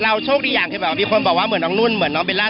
โชคดีอย่างที่แบบมีคนบอกว่าเหมือนน้องนุ่นเหมือนน้องเบลล่า